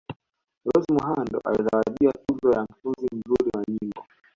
Rose Muhando alizawadiwa tuzo ya Mtunzi mzuri wa nyimbo